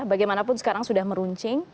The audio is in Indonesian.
bagaimanapun sekarang sudah meruncing